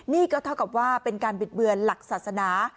นี่ก็เท่ากับว่าเป็นการบิดเบือนหลักศาสนา